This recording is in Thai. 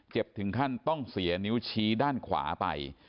ถึงขั้นต้องเสียนิ้วชี้ด้านขวาไป